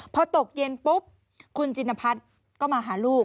พอตกเย็นปุ๊บคุณจินพัฒน์ก็มาหาลูก